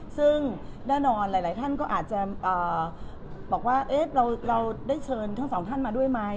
ซึ่งแน่นอนหลายท่านก็อาจจะบอกว่าเราได้เชิญทั้งสองท่านมาด้วยไหม